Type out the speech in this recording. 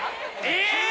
えっ！？